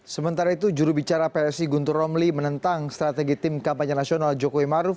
sementara itu jurubicara psi guntur romli menentang strategi tim kampanye nasional jokowi maruf